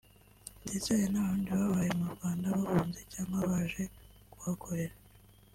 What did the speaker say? ndetse hari n’abarundi babaye mu Rwanda bahunze cyangwa baje kuhakorera